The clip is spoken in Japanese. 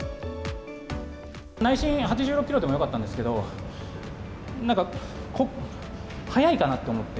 内心、８６キロでもよかったんですけど、なんか、早いかなって思って。